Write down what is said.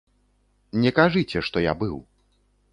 Не кажыце, што я быў.